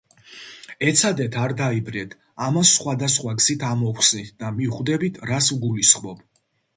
ეცადეთ არ დაიბნეთ, ამას სხვა და სხვა გზით ამოვხსნით და მივხვდებით რას ვგულისხმობ.